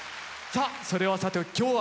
さあそれはさておき